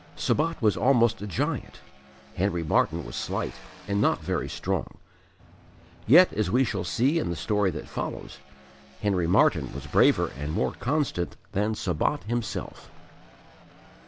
Sabat was almost a giant; Henry Martyn was slight and not very strong. Yet as we shall see in the story that follows Henry Martyn was braver and more constant than Sabat himself.